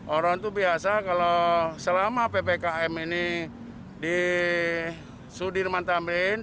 orang itu biasa kalau selama ppkm ini disudir mantan